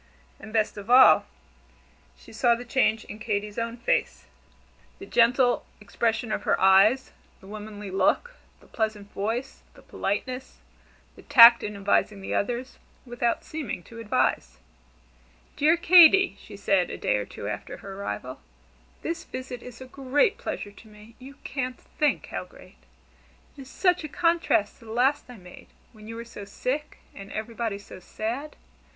And best of all, she saw the change in Katy's own face: the gentle expression of her eyes, the womanly look, the pleasant voice, the politeness, the tact in advising the others, without seeming to advise. "Dear Katy," she said a day or two after her arrival, "this visit is a great pleasure to me you can't think how great. It is such a contrast to the last I made, when you were so sick, and everybody so sad.